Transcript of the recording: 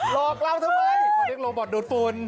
ลอกเราทำไมเขาเล่นโลบอทดูดฝุ่น